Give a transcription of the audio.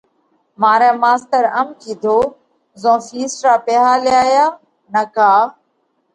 مارئہ ماستر ام ڪِيڌوه: زون فِيس را پئِيها ليايا نڪا